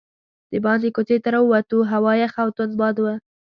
دباندې کوڅې ته راووتو، هوا یخه او توند باد و.